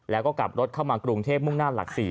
แล้วก็กลับรถเข้ามากรุงเทพมุ่งหน้าหลัก๔